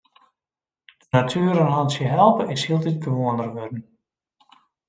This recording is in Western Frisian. De natuer in hantsje helpe is hieltyd gewoaner wurden.